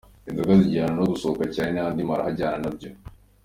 Inzoga zijyana no gusohoka cyane n’andi maraha ajyana nabyo.